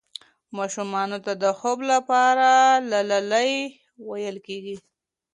ماشومانو ته د خوب لپاره لالايي ویل کېږي.